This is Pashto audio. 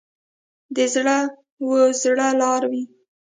د زړه و زړه لار وي.